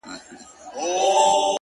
زه به هم داسي وكړم؛